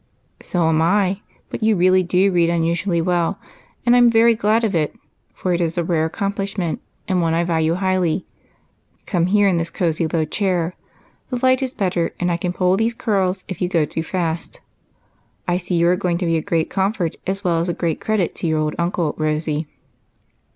" So am I ; but you really do read imusually well, and I am very glad of it, for it is a rare accomplish ment, and one I value highly. Come here in this cosey, low chair ; the light is better, and I can pull these curls if you go too fast. I see you are going to be a great comfort as well as a great credit to your old uncle. Rosy."